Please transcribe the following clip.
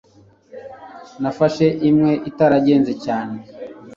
nafashe imwe itaragenze cyane